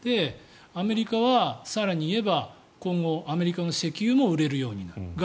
アメリカは更に言えば今後、アメリカの石油も売れるようになる。